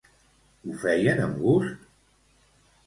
Ho feien amb gust?